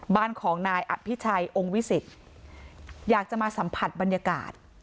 บ้านของนายอภิชัยองค์วิสิตอยากจะมาสัมผัสบรรยากาศ